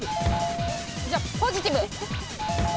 じゃあポジティブ。